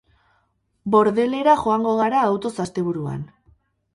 Bordelera joango gara autoz asteburuan.